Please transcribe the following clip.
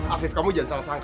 afif kamu jangan salah sangka